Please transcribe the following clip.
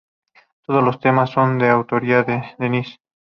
Todos los temas son de autoría de Denisse.